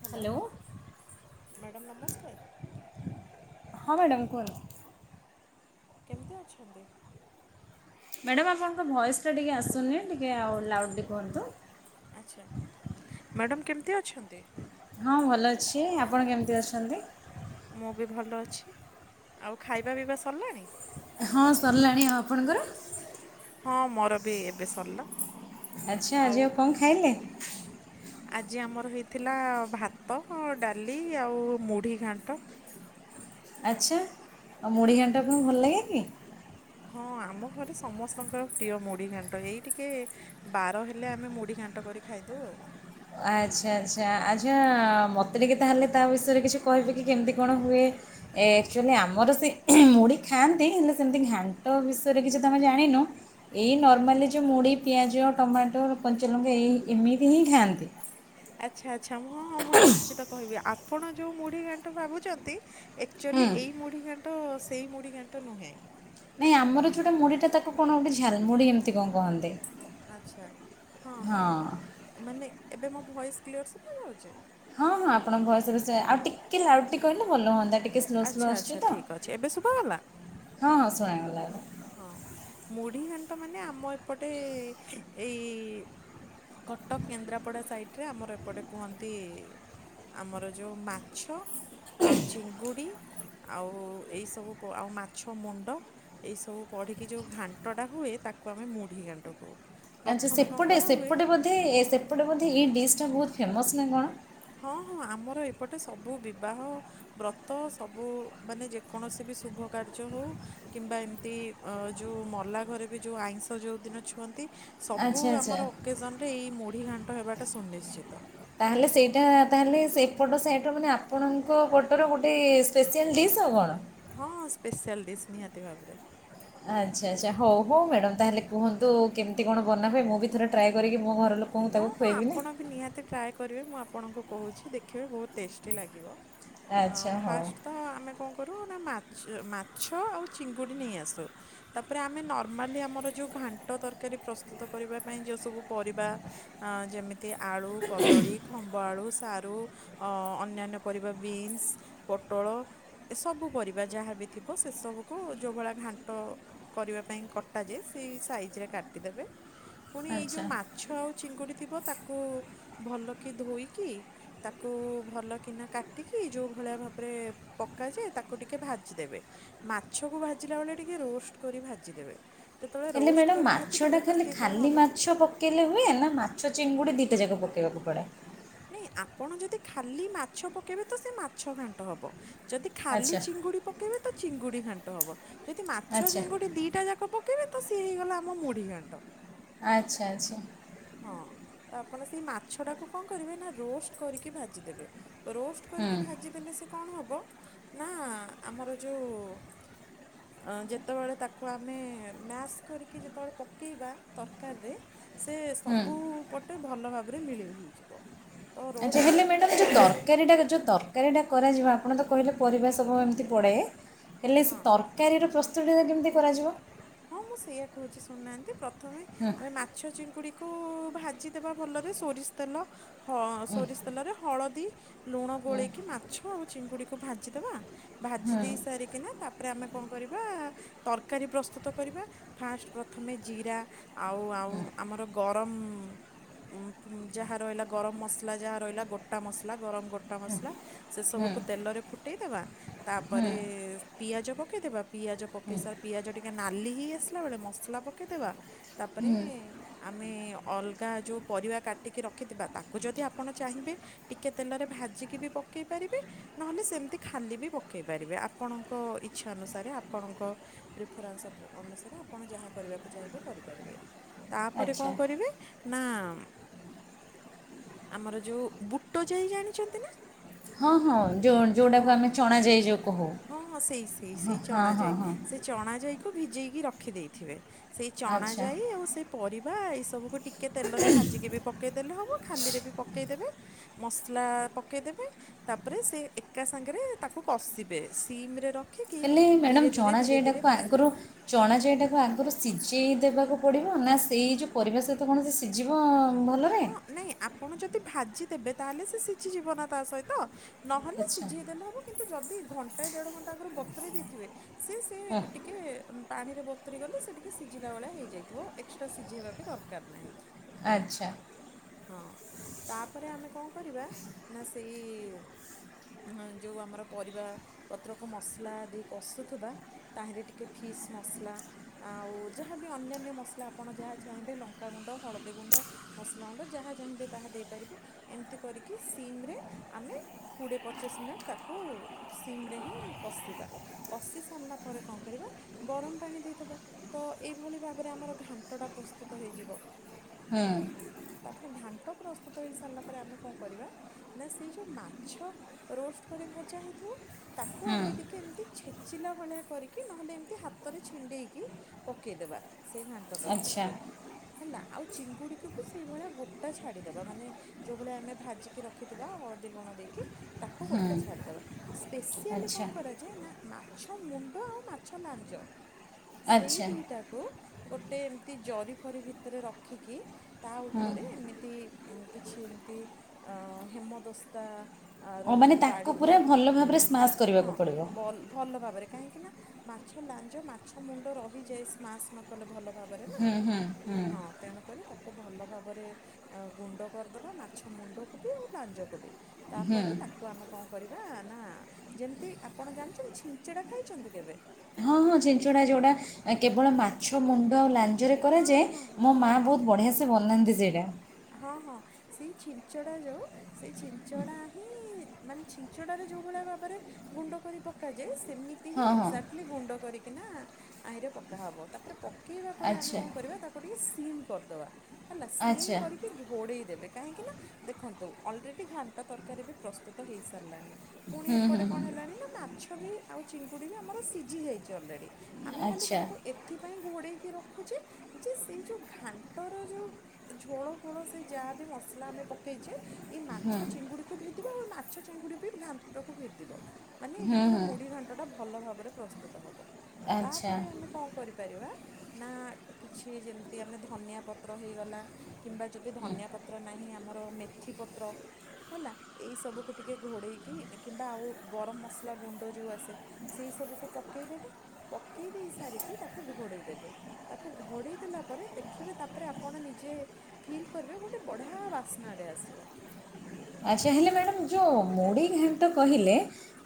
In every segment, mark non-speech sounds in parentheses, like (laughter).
Hello madam ନମସ୍କାର। ହଁ madam କୁହନ୍ତୁ? କେମିତି ଅଛନ୍ତି? ମ୍ୟାଡ଼ାମ୍ ଆପଣଙ୍କ ଭଏସ୍ଟା ଟିକିେ ଆସୁନି ଟିକେ ଆଉ ଲାଉଡ଼୍ଟି କୁହନ୍ତୁ? ଆଚ୍ଛା ମ୍ୟାଡ଼ମ୍ କେମିତି ଅଛନ୍ତି? ହଁ ଭଲ ଅଛି ଆପଣ କେମିତି ଅଛନ୍ତି? ମୁଁ ବି ଭଲ ଅଛି ଆଉ ଖାଇବା ପିଇବା ସରିଲାଣି? ହଁ ସରିଲାଣି ଆଉ ଆପଣଙ୍କର? ହଁ ମୋର ବି ଏବେ ସରିଲା। ଆଚ୍ଛା ଆଜି ଆଉ କଣ ଖାଇଲେ? ଆଜି ଆମର ହେଇଥିଲା ଭାତ ଡାଲି ଆଉ ମୁଢ଼ି ଘାଣ୍ଟ। ଆଚ୍ଛା ଆଉ ମୁଢ଼ି ଘାଣ୍ଟ ଆପଣଙ୍କୁ ଭଲ ଲାଗେ କି? ହଁ ଆମ ଘରେ ସମସ୍ତଙ୍କର ପ୍ରିୟ ମୁଢ଼ି ଘାଣ୍ଟ ଏଇ ଟିକେ ବାର ହେଲେ ଆମେ ମୁଢି ଘାଣ୍ଟ କରି ଖାଇଦଉ ଆଉ। ଆଚ୍ଛା ଆଚ୍ଛା ଆଚ୍ଛା ମୋତେ ଟିକେ ତାହେଲେ ତା ବିଷୟରେ କିଛି କହିବେ କି କେମିତି କଣ ହୁଏ? ଏ ଆକ୍ଚୁଆଲି ଆମର ସେ ମୁଢ଼ି ଖାଆନ୍ତି ହେଲେ ସେମିତି ଘାଣ୍ଟ ବିଷୟରେ କିଛି ତ ଆମେ ଜାଣିନୁ। ଏଇ ନର୍ମାଲି ଯେଉଁ ମୁଢ଼ି ପିଆଜ ଟମାଟୋ କଞ୍ଚଲଙ୍ଗୀ ଏଇ ଏମିତି ହିଁ ଖାଆନ୍ତି। ଆଚ୍ଛା ଆଚ୍ଛା ମୁଁ ହଁଁ ମୁଁ ନିଶ୍ଚିତ କହିବି ଆପଣ ଯୋଉ ମୁଢି ଘାଣ୍ଠ ଭାବୁଛନ୍ତି ହୁଁ ଏକଚୁଆଲି ଏଇ ମୁଢ଼ି ଘାଣ୍ଟ ସେଇ ମୁଢ଼ି ଘାଣ୍ଟ ନୁହେଁ। ନାଇଁ ଆମର ଜଉଟା ମୁଢୀଟା ତାକୁ କଣଗୋଟେ ଝାଲମୁଢି ଏମିତ ତି କଣ କୁହନ୍ତି ଆଚ୍ଛା ହଁ। ମାନେ ଏବେ ମୋ ଭଏସ୍ କ୍ଲିୟର୍ ଶୁଭାଯାଉଚି। ହଁ ହଁ ଆପଣଙ୍କ ଭୟେସରେ ସେ ଆଉ ଟିକେ ଲାଉଡ୍ଲି କହିଲେ ଭଲ ହୁଅନ୍ତା ଟିକେ ସ୍ଲୋ ସ୍ଲୋ ଆଚ୍ଛା ଆସୁଛି ଆଚ୍ଛା ତ। ଠିକ୍ ଅଛି ଏବେ ଶୁଭାଗଲା? ହଁ ହଁ ଶୁଣାଗଲା ଏବେ। ହଁ ମୁଢ଼ି ଘାଣ୍ଟ ମାନେ ଆମ ଏପଟେ ଏଇ କଟକ କେନ୍ଦ୍ରାପଡ଼ା ସାଇଟରେ ଆମର ଏପଟେ କୁହନ୍ତି ଆମର ଯୋଉ ମାଛ। ଆଉ ଚିଙ୍ଗୁଡ଼ି ଆଉ ଏଇସବୁ ଆଉ ମାଛ ମୁଣ୍ଡ। ସବୁ ପଢ଼ିକି ଯୋଉ ଘାଣ୍ଟଟା ହୁଏ ତାକୁ ଆମେ ମୁଢ଼ି ଘାଣ୍ଟ କହୁ। ଆଚ୍ଛା ପ୍ରଥମେ କଣ ସେପଟେ କରାହୁଏ ସେପଟେ ବୋଧେ ଏ ସେପଟେ ବୋଧେ ଏଇ ଡିଶଟା ବହୁତ ଫେମସ୍ ନା କଣ ହଁ ହଁ ଆମର ଏପଟେ ସବୁ ବିବାହ ବ୍ରତ ସବୁ ମାନେ ଯେକୌଣସି ବି ଶୁଭ କାର୍ଯ୍ୟ ହଉ କିମ୍ବା ଏମିତି ଅ ଯୋଉ ମଲା ଘରେ ବି ଯୋଉ ଆଇଁଷ ଯୋଉ ଦିନ ଛୁଅନ୍ତି। ସବୁ ଆଚ୍ଛା ଆଚ୍ଛା। ଆମର ଅକେଜନରେ ଏଇ ମୁଢ଼ି ଘାଣ୍ଟ ହେବାଟା ସୁନିଶ୍ଚିତ। ତାହେଲେ ସେଇଟା ତାହେଲେ ସେପଟ ସାଇଟ ମାନେ ଆପଣଙ୍କ ପଟର ଗୋଟେ ସ୍ପେଶଆଲ୍ ଡିସ୍ ଆଉ କଣ। ହଁ ସ୍ପେଶଆଲ୍ ଡିସ୍ ନିହାତି ଭାବରେ। ଆଚ୍ଛା ଆଚ୍ଛା ହଉ ହଉ ମ୍ୟାଡ଼ାମ ତାହେଲେ କୁହନ୍ତୁ କେମିତି କଣ ବନା ହୁଏ ମୁଁ ବି ଥରେ ଟ୍ରାଏ କରିକି ମୋ ଘର ଲୋକ ହଁ ହଁ ଆପଣ ବି ନିହାତି ଟ୍ରାଏ କରିବେ ମୁଁ ଆପଣଙ୍କୁ କହୁଛି ଦେଖିବେ ବହୁତ ଟେଷ୍ଟି ଲାଗିବ। ଆ ଆଚ୍ଛା ହଉ। ଫାଷ୍ଟ ତ ଆମେ କଣ କରୁ ନା ମାଛ ଆଉ ଚିଙ୍ଗୁଡ଼ି ନେଇ ଆସୁ, ତାପରେ ଆମେ ନର୍ମାଲି ଆମର ଯଉ ଘାଣ୍ଟ ତରକାରୀ ପ୍ରସ୍ତୁତ କରିବା ପାଇଁ ଯୋଉ ସବୁ ପରିବା ହଁ ଯେମିତି ଆଳୁ କଦଳୀ ଖମ୍ବ ଆଳୁ ସାରୁ ଅ ଅନ୍ୟାନ ପରିବା ବିନ୍ସ ପୋଟଳ ଏ ସବୁ ପରିବା ଯାହାବି ଥିବ ସେସବୁକୁ ଯୋଉଭଳିଆ ଘାଣ୍ଟ। କରିବା ପାଇଁ କଟାଯାଏ ସେଇ ସାଇଜରେ କାଟିଦେବେ ପୁଣି ଏଇ ଯେଉଁ ଆଚ୍ଛା ମାଛ ମାଛ ଆଉ ଚିଙ୍ଗୁଡ଼ି ଥିବ ତାକୁ ଭଲକି ଧୋଇକି ତାକୁ ଭଲ କିନା କାଟିକି ଯୋଉ ଭଳିଆ ଭାବରେ ପକାଯାଏ ତାକୁ ଟିକେ ଭାଜିଦେବେ ମାଛକୁ ଭାଜିଲା ବେଳେ ଟିକେ ରୋଷ୍ଟ କରି ଭାଜିଦେବେ ଯେତେବେଳେ ହେଲେ ରୋଷ୍ଟ ମ୍ୟାଡ଼ାମ୍ କରି ଭାଜିଦେବେ ମାଛଟା ତ ଖାଲି ସିଏ କ'ଣ ଖାଲି ହେବ ମାଛ ପ ପକେଇଲେ ହୁଏ ନା ମାଛ ଚିଙ୍ଗୁଡ଼ି ଦିଟା ଯାକ ପକେଇବାକୁ ପଡେ? ନାଇଁ ଆପଣ ଯଦି ଖାଲି ମାଛ ପକେଇବେ ତ ସେ ମାଛ ଘାଣ୍ଟ ହବ। ଯଦି ଖାଲି ଆଚ୍ଛା ଚିଙ୍ଗୁଡ଼ି ପକାଇବେ ତ ଚିଙ୍ଗୁଡ଼ି ଘାଣ୍ଟ ହବ ଯଦି ମାଛ ଆଚ୍ଛା ଚିଙ୍ଗୁଡ଼ି ଦିଇଟା ଯାକ ପକ ତେବେ ତ ସିଏ ହେଇଗଲା ଆମ ମୁଢ଼ି ଘାଣ୍ଟ। ଆଚ୍ଛା ଆଚ୍ଛା। ହଁ ତ ଆପଣ ସେଇ ମାଛଟାକୁ କଣ କରିବେ ନା ରୋଷ୍ଟ କରିକି ଭାଜିଦେବେ। ରୋଷ୍ଟ ହୁଁ କରିକି ଭାଜିଦେଲେ ସେ କଣ ହବ ନା ଆମର ଯୋଉ (inaudible) ଯେତେବେଳେ ତାକୁ ଆମେ ମ୍ୟାସ୍ କରିକି ଯେତେବେଳେ ପକେଇବା ତରକାରିରେ ସେ ହୁଁ ସବୁ ପଟେ ଭଲ ଭାବରେ ମିଳେଇ ହେଇଯିବ। ତ ଆଚ୍ଛା ରୋଷ୍ଟ ହେଲେ କରିକି ମ୍ୟାଡ଼ମ୍ ଟିକେ ଯୋଉ ମାଛ ତରକାରିଟା ଯୋଉ ତର କେଳିଟା କରାଯିବ ଆପଣ ତ କହିଲେ ପରିବେଶ ସବୁ ଏମିତି ପଡ଼େ ହେଲେ ସେ ହଁ ତର ତକାରିର ପ୍ରସ୍ତୁତିଟା କେମିତି କରାଯିବ? ହଁ ମୁଁ ସେଇଆ କହୁଛି ଶୁଣୁନାହାନ୍ତି ପ୍ରଥମେ ହୁଁ ଆମେ ମା ମାଛ ଚିଙ୍କୁୁଡ଼ିକୁ ଭାଜିଦେବା ଭଲରେ ସୋରିଷ ତେଲ ହ ସୋରିଷ ତେଲରେ ହଳଦୀ ଲୁଣ ଗୋଳେଇକି ମାଛ ଆଉ ଚିଙ୍ଗୁଡିକୁ ଭାଜିଦବା ଭାଜି ହୁଁ ଦେଇ ସାରିକିନା ତାପରେ ଆମେ କଣ କରିବା ତରକାରୀ ପ୍ରସ୍ତୁତ କରିବା ଫାଷ୍ଟ ପ୍ରଥମେ ଜିରା ଆଉ ଆଁ ଆମର ଗରମ ଉଁ ଉଁ ଯାହା ରହିଲା ଗରମ ମସଲା ଯାହା ରହିଲା ଗୋଟା ମସଲା ଗରମ ଗୋଟା ମସଲା ସେ ହୁଁ ସବୁକୁ ତେଲରେ ଫୁ ଦେଇ ଦବା ହୁଁ ତାପରେ ପିଆଜ ପକେଇ ଦବା ପିଆଜ ପକେଇସା ପିଆଜ ଟିକେ ଟିକେ ନାଲି ହେଇ ଆସିଲା ବେଳେ ମସଲା ପକେଇଦେବା ତାପରେ ହୁଁ ଆମେ ଅଲଗା ଯୋଉ ପରିବା କାଟିକି ରଖିଥିବା ତାକୁ ଯଦି ଆପଣ ଚାହିଁବେ ଟିକେ ତେଲରେ ଭାଜିକି ବି ପକେଇ ପାରିବେ। ନହେଲେ ସେମିତି ଖାଲି ବି ପକେଇ ପାରିବେ ଆପଣଙ୍କ ଇଚ୍ଛା ଅନୁସାରେ ଆପଣଙ୍କ ପ୍ରିଫ୍ରାନସ୍‌ ସବୁ ଅନୁସାରେ ଆପଣ ଯାହା କରିବାକୁ ଚାହିଁବେ କରିପାରିବେ ତାପରେ ଆଚ୍ଛା କଣ କରିବେ ନା ମ୍। ଆମର ଯୋଉ ବୁଟ ଯାଇ ଜାଣିଛନ୍ତି ନା। ହଁ ହଁ ଯୋଉ ଯୋଉ ହଁ ଟାକୁ ଆମେ ଚଣାାଯାଇ ଯୋଉ ହଁ ହଁ ସେଇ ସେଇ ସେଇ ହଁ ଚଣାଯାଇ ହଁ ସେ ଚଣା ଯାଇ କି ଭିଜେଇକି ରଖି ଦେଇେଇଥିବେ ସେଇ ଚଣା ଆଚ୍ଛା ଯାଇ ଆଉ ସେଇ ପରିବା ଏଇ ସବୁକୁ ଟିକେ କେ ତେଲରେ ଭାଜିକି ବି ପକେଇଦେଲେ ହବ ଖାଲିରେ ବି ପକେଇଦେବେ। ମସଲା ପକେଇଦବେ ତାପରେ ସେ ଏକା ସାଙ୍ଗରେ ତାକୁ କଷିବେ। ସିମ୍ ରେ ରଖି ହେଲେ ମ୍ୟାଡ଼ାମ ଚଣା ଯାଇଟାକୁ ଆଗରୁ ଚଣା ଜାଇଟାକୁ ଆଗରୁ ସିଝେଇ ଦେବାକୁ ପଡ଼ିବ ନା ସେଇ ଯୋଉ ପରିବା ସହିତ କଣ ସେ ସିଝିବ ଭଲ ହଁ ନାଇଁ ଆପଣ ଯଦି ଭାଜି ଦେବେ ତାହେଲେ ସେ ସିଜିଯିବ ନା ତା ସହିତ। ନହେଲେ ଆଚ୍ଛା ସିଝିେଇଦେଲେ ହେବ କିନ୍ତୁ ଯଦି ଘଣ୍ଟାଏ ଦେଢ଼ ଘଣ୍ଟା ଆଗରୁ ବତେରେଇ ଦେଇଥିବେ ସେ ସେ ହଁ ଟିକେ ଟିକେ ପାଣିରେ ବତରି ଗଲେ ସେ ଟିକେ ସିଝିଲା ଭଳିଆ ହେଇଯାଇଥିବ ଏକ୍ସଟ୍ରା ସିଝେଇବା ବି ଦରକାର ନାହିଁ। ଆଚ୍ଛା। ହଁ ତାପରେ ଆମେ କଣ କରିବା ନା ସେଇ ଉଁ ଯେଉଁ ଆମର ପରିବା ପତ୍ରକୁ ମସଲା ଦେଇ କଷୁଥିବା। ତାହିଁରେ ଟିକେ ଫିସ୍ ମସଲା ଆଉ ଯାହାବି ଅନ୍ୟାନ୍ୟ ମସଲା ଆପଣ ଯାହା ଚାହିଁବେ ଲଙ୍କାଗୁଣ୍ଡ ହଳଦୀ ଗୁଣ୍ଡ ମସ୍‌ ଲା ଗୁଣ୍ଡ ଯାହା ଚାହିଁବେ ତାହା ଦେଇପାରିବେ ଏମିତି କରିକି ସିମ୍ ରେ ଆମେ କୋଡ଼ିଏ ପଚିଶ୍ ମିନିଟ୍ ତାକୁ ସିମ୍ ରେ ହିଁ କଷିବା। କଷି ସାରିଲା ପରେ କଣ କରିବା ଗରମ ପାଣି ଦେଇ ଦେବା। ତ ଏଇଭଳି ଭାବରେ ଆମର ଘାଣ୍ଟଟା ପ୍ରସ୍ତୁତ ହେଇଯିବ। ହୁଁ। ତାପରେ ଘାଣ୍ଟ ପ୍ରସ୍ତୁତ ହେଇ ସାରିଲା ପରେ ଆମେ କଣ କରିବା ନା ସେଇ ଯୋଉ ମାଛ ରୋଷ୍ଟ କରି ଭଜା ହେଇଥିବ। ତାକୁ ହୁଁ ଆମେ ଟିକେ ଏମିତି ଛେଚିଲା ଭଳିଆ କରିକି ନହେଲେ ଏମିତି ହାତରେ ଛିଣ୍ଡେଇକି ପକେଇଦେବା ସେଇ ଘାଣ୍ଟ ଆଚ୍ଛା ତରକାରିରେ ହେଲା ଆଉ ଚିଙ୍ଗୁଡିକୁ କି ସେଇଭଳିଆ ଗୋଟା ଛାଡ଼ିଦେବା ମାନେ ଯୋଉ ଭଳିଆ ଆମେ ଭାଜିକି ରଖିଥିବା ହଳଦୀ ଲୁଣ ଦେଇକି। ତାକୁ ହୁଁ ଗୋଟା ଛାଡିଦବା। ସ୍ପେସିଆଲି ଆଚ୍ଛା କଣ କରାଯାଏ ନା ମାଛ ମୁଣ୍ଡ ଆଉ ମାଛ ଲାଞ୍ଜ ସେଇ ଆଚ୍ଛା ଦୁଇଟାକୁ ଗୋଟେ ଏମିତି ଜରିଫରି ଭିତରେ ରଖିକି ତା ହୁଁ ଉପରେ ଏମିତି କିଛି ଏମିତି ହେମଦସ୍ତା ଓ ଆର ମାନେ ଯୋଉ ତାକୁ ବାଡ଼ି ପୁରା ଥାଏ ଭଲ ଭାବରେ ସ୍ମାସ୍ ହଁ କରିବାକୁ ପଡ଼ିବ। ବଲ ଭାବରେ କାହିଁକି ନା ମାଛ ଲାଞ୍ଜ ମାଛ ମୁଣ୍ଡ ରହିଯାଏ ସ୍ମାସ୍‌ ନକଲେ ଭଲ ଭାବରେ ନା। ହୁଁ ହୁଁ ହୁଁ ହଁ ତେଣୁକରି ତାକୁ ତାକୁ ଭଲ ଭାବରେ ଗୁଣ୍ଡ କରିଦବା ମାଛ ମୁଣ୍ଡକୁ ବି ଆଉ ଲାଞ୍ଜକୁ ବି। ହୁଁ ତାପରେ ତାକୁ କୁ ଆମେ କଣ କରିବା ନା ଯେମିତି ଆପଣ ଜାଣିଛନ୍ତି ଛିଞ୍ଚଡ଼ା ଖାଇଛନ୍ତି କେବେ? ହଁ ହଁ ଛିଞ୍ଚଡା ଯୋଟା କେବଳ ମାଛ ମୁଣ୍ଡ ଆଉ ଲା ଞ୍ଜରେ କରେ ହଁ ଯାଏ ହଁ ମୋ ହଁ ମାଆ ହଁ ବହୁତ ବଢ଼ିଆ ସେ ବନାନ୍ତି ସେଇଟା। ହଁ ହଁ। ସେଇ ଛିଞ୍ଚଡା ଯଉ ସେଇ ଛିଞ୍ଚଡା ହିଁ ମାନେ ଛିଞ୍ଚଡାରେ ଯଉ ଭଳିଆ ଭାବରେ ଗୁଣ୍ଡ କରି ପକାଯାଏ ସେମିତି ହିଁ ହଁ ହଁ ଏକ୍ଜାକ୍ଟଲି ଗୁଣ୍ଡ କରିକି ନା ତାହିଁରେ ପକା ହବ ତାପରେ ପକ୍ ପକେଇବା ପରେ ଆମେ ଆଚ୍ଛା କଣ କରିବା ତାକୁ ଟିକେ ସିମ୍ କରିଦବା ହେଲା ସିମ୍ ଆଚ୍ଛା କି ଘୋଡେଇ ଦେବେ କାହିଁକି ନା ଦେଖନ୍ତୁ ଅଲ୍‌ରେଡ୍ଡି ଘାଣ୍ଟ ତରକାରୀ ବି ପ୍ରସ୍ତୁତ ହେଇସାରିଲାଣି। ପୁଣି ଏପଟେ କଣ ହେଲାଣି ନା ମାଛ ବି ଆଉ ଚିଙ୍ଗୁଡି ବି ଆମର ସିଜି ଯାଇଚି ଅଲରେଡି। ଆମେ ଖାଲି ଆଚ୍ଛା ତାକୁ ଏଥିପାଇଁ ଘୋଡେଇକି ରଖୁଚେ ଯେ ସେଇ ଯଉ ଘାଣ୍ଟର ଯଉ ଝୋଳ ଫୋଳ ସେ ଯାହା ବିି ମସଲା ଆମେ ପକେଇଚେ ଏ ମାଛ ହୁଁ ଚିଙ୍ଗୁଡି କୁ ଭେଦିବ ଆଉ ମାଛ ଚିଙ୍ଗୁଡି ବି ଘାଣ୍ଟ କୁ ଭେଦିବ ମାନେ ଏଇଟା ହୁଁ ପୁରା ହୁଁ ମୁଢି ଘାଣ୍ଟ୍ ଏଟା ଭଲ ଭାବେରେ ପ୍ରସ୍ତୁତ ହବ ଆଚ୍ଛା ତାପରେ ଆମେ କଣ କରିପାରିବା ନା କିଛି ଯେମିତି ଆମେ ଧନିଆ ପତ୍ର ହେଇଗଲା କିମ୍ବା ଯଦି ଧନିଆ ପତ୍ର ନାହିଁ ଆମର ମେଥି ପତ୍ର ହେଲା ଏଇସବୁକୁ ଟିକେ ଘୋଡ଼େଇକି କିମ୍ବା ଆଉ ଗରମ୍ ମସଲା ଗୁଣ୍ଡ ଯଉ ଆସେ ସେଇ ସବୁକୁ ପକେଇଦବେ ପକେଇ ଦେଇ ସାରିକି ତାକୁ ଘୋଡେଇ ଦେବେ। ତାକୁ ଘୋଡେଇ ଦେଲା ପରେ ଦେଖିବେ ତାପରେ ଆପଣ ନିଜେ ଫିଲ୍ କରିବେ ଗୋଟେ ବଢିଆ ବାସ୍ନାଟେ ଆସିବ। ଆଚ୍ଛା ହେଲେ ମ୍ୟାଡ଼ାମ୍ ଯଉ ମୁଢ଼ି ଘାଣ୍ଟ କହିଲେ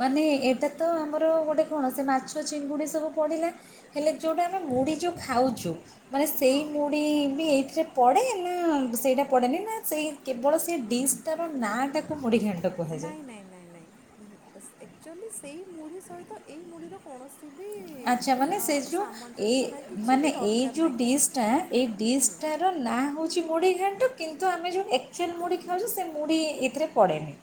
ମାନେ ଏଇଟା ତ ଆମର ଗୋଟେ କଣ ସେ ମାଛ ଚିଙ୍ଗୁଡି ସବୁ ପଡିଲା ହେଲେ ଯଉଟା ଆମେ ମୁଢି ଯଉ ଖାଉଚୁ ମାନେ ହଁ ସେଇ ମୁ ଢି ବି ଏଇଥିରେ ପଡେ ନା ସେଇଟା ପଡେନି ନା ସେଇ କେବଳ ସେ ଡିସ୍ ତାର ନାଁଟା କୁ ମୁଢ଼ି ଘାଣ୍ଟ ନାଇଁ -ନାଇଁ -ନାଇଁ- ନାଇଁ ଆକ୍ଚୁଏଲି ସେଇ ମୁଢ଼ି ସହିତ ଏଇ ମୁଢ଼ିର କୌଣସି ବି ଆଚ୍ଛା ମାନେ ସେ ଯଉ ସାମଞ୍ଜସ୍ୟ ଏଇ ନାହିଁ କିଛି ବି ମାନେ ଏଇ ଦରକାର ଯଉ ନାହିଁ କଣ ଡିସ୍ ଟା ଏଇ ହୁଁ ଡିସ୍ ଟା ନାଁ ହଉଚି ମୁଢ଼ି ଘାଣ୍ଟ କିନ୍ତୁ ଆମେ ଯଉ ଆକ୍ଚୁଆଲି ମୁଢ଼ି ଖାଉଚୁ ସେ ମୁଢି ଏଥିରେ ପଡେନି।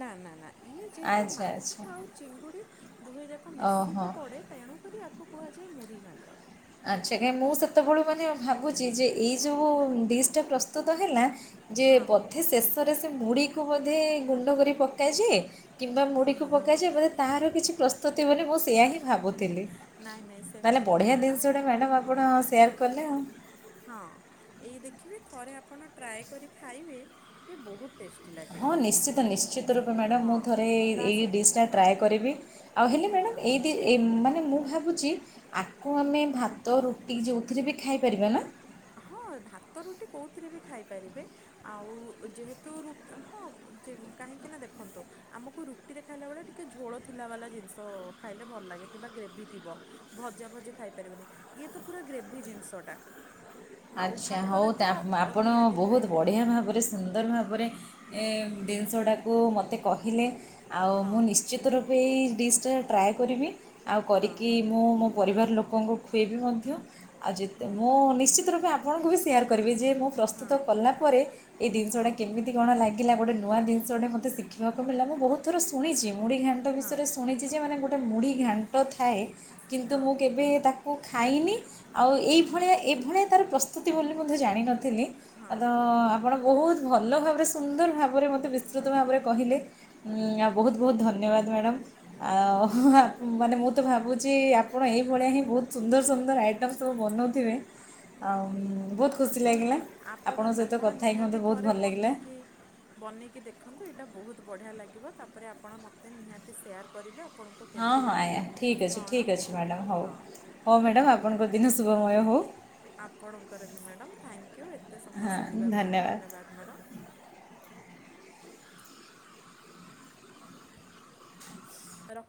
ନା- ନା -ନା ଇଏ ଯେହେତୁ ମାଛ ଆଚ୍ଛା ଆଉ ଚିଙ୍ଗୁଡି ଦୁହେ ଯାକ ଓହୋ। ମିଶିକି ପଡେ ତେଣୁକରି ୟାକୁ କୁହାଯାଏ ମୁ଼ଢି ଘାଣ୍ଟ। ଆଚ୍ଛା ଏ ମୁଁ ସେତେବେଳୁ ମାନେ ଭାବୁଚି ଯେ ଏଇ ଯଉ ଡିସ୍ ଟା ପ୍ରସ୍ତୁତ ହେଲା ଯେ ହଁ ବୋଧେ ଶେଷରେ ସେ ମୁଢିକୁ ବୋଧେ ଗୁଣ୍ଡ କରି ପକାଯେ କିମ୍ବା ମୁଢି କୁ ପକାଯାଏ ବୋଧେ ତାହାର କିଛି ପ୍ରସ୍ତୁତି ବୋଲି ମୁଁ ସେୟା ହିଁ ଭାବୁଥିଲି ନାଇଁ ନାଇଁ ତାହେଲେ ସେମିତି ନୁହେଁ ବଢିଆ ମ୍ୟାଡ଼ମ୍ ଜିନିଷଟେ ମ୍ୟାଡାମ୍ ଆପଣ ସେୟାର୍ କଲେ ଆଉ। ହଁ ଏଇ ଦେଖିବେ ଥରେ ଆପଣ ଟ୍ରାଏ କରି ଖାଇବେ କି ବହୁତ୍ ଟେଷ୍ଟି ଲାଗେ। ହଁ ନିଶ୍ଚିତ ନିଶ୍ଚିତ ରୁପେ ମ୍ୟାଡାମ୍ ମୁଁ ହଁ ଥରେ ଏଇ- ତା ଏଇ ସହ ଡିସ୍ ଟା ହଁ ଟ୍ରାଏ କରିବି। ଆଉ ହେଲେ ମ୍ୟାଡାମ୍ ଏଇ କି ଏ-ମାନେ ମୁଁ ଭାବୁଚି ଆକୁ ଆମେ ଭାତ ରୁଟି ଯଉଥିରେ ବି ଖାଇପାରିବା ନା? ହଁ ଭାତ ରୁଟି କଉଥିରେ ବି ଖାଇପାରିବେ। ଆଉ ଯେହେତୁ ରୁଟ୍-ହଁ ଯେ କାହିଁକି ନା ଦେଖନ୍ତୁ ଆମକୁ ରୁଟି ରେ ଖାଇଲା ବେଳେ ଟିକେ ଝୋଳ ଥିଲା ବାଲା ଜିନିଷ ଖାଇଲେ ଭଲ ଲାଗେ କିମ୍ବା ଗ୍ରେଭି ଥିବ। ଭଜା ଭଜି ଖାଇପାରିବେନି ଇଏ ତ ପୁରା ଗ୍ରେଭି ଜିନିଷଟା। ଆଉ ଆଚ୍ଛା ହଉ ଭାତରେ ତ ତା ଆପଣ ନିହାତି ବହୁତ୍ ଖାଇବେ ବଢ଼ିଆ ଭାବରେ ସେ ସୁନ୍ଦର ଭାବରେ ଏ ଜିନିଷଟାକୁ ମୋତେ କହିଲେ ଆଉ ମୁଁ ହଁ ନିଶ୍ଚ୍ ନିଶ୍ଚିତ ରୁପେ ଏଇ ଡିସ୍ ଟା ଟ୍ରାଏ କରିବି ଆଉ ହଁ କରିକି ମୁଁ ମୋ ପରିବାର ଲୋକଙ୍କୁ ଖୁଏଇବି ମଧ୍ୟ ଆଉ ଯେତେ ମୁଁ ନିଶ୍ଚିତ ରୁ ମୁଁ ଆପଣଙ୍କୁ ବି ସେୟାର୍ କରିବି ଯେ ମୁଁ ପ୍ରସ୍ତୁତ ହଁ କଲା ପରେ ଏଇ ଜିନିଷଟା କେମିତି କେମିତି କଣ ଲାଗିଲା ଗୋଟେ ନୂଆ ଜିନିଷଟେ ମୋତେ ଶିଖିବାକୁ ମିଳିଲା ମୁଁ ବହୁତ ଥର ଶୁଣିଛି ମୁଢ଼ି ଘାଣ୍ଟ ହଁ ବିଷୟରେ ଶୁଣିଛି ଯେ ମାନେ ଗୋଟେ ମୁଢ଼ି ଘାଣ୍ଟ ଥାଏ କିନ୍ତୁ ହଁ ହଁ ମୁଁ କେବେ ତା ମୁଁ ଖାଇନି ଆଉ ଏଇଭଳିଆ ହଁ ଏଭଳିଆ ତାର ପ୍ରସ୍ତୁତି ବୋଲି ମଧ୍ୟ ଜାଣିନଥିଲି। ହଁ ତ ଆପଣ ବହୁତ ଭଲ ଭାବରେ ସୁନ୍ଦର ଭାବରେ ମୋତେ ବିସ୍ତୃତ ଭାବରେ କହିଲେ। ଉ ଆଉ ବହୁତ ବହୁତ ଧନ୍ୟବାଦ ମ୍ୟାଡ଼ାମ ଆଉ ହଁ ମାନେ ମୁଁ ତ ଭାବୁଛି ଆ ଆପଣ ଏଇଭଳିଆ ହିଁ ବହୁତ ସୁନ୍ଦର ସୁନ୍ଦର ଆଇଟମ୍ ସବୁ ବନଉଥିବେ ଆଉ ବହୁତ ଖୁସି ନାଇଁ ଲାଗିଲା ଆପଣ ଆପଣଙ୍କ ସହିତ ଆପଣ କଥା ହେଇକି ମୋତେ ନିହାତି ବହୁତ ଥରେ ଭଲ ଲାଗିଲା ବନେଇକି ବନେଇକି ଦେଖନ୍ତୁ ଏଇଟା ବହୁତ ବଢ଼ିଆ ଲାଗିବ। ତାପରେ ଆପଣ ମୋତେ ନିହାତି ସେୟାର କରିବେ ଆଉ। ହଁ ହଁ ଆଜ୍ଞା ଠିକ୍ ଅଛି ଠିକ୍ ଅଛି ମ୍ୟାଡ଼ାମ୍ ହଉ। ହଁ ହଉ ମ୍ୟାଡ଼ାମ୍ ଆପଣଙ୍କ ଦିନ ଶୁଭମୟ ହେଉ। ଆପଣଙ୍କର ବି ମ୍ୟାଡାମ୍ ଥ୍ୟାଙ୍କୟୁ ଏତେ ସମୟ ଶୁଣିବା ପାଇଁ ଧନ୍ୟବାଦ ମ୍ୟାଡାମ୍। ର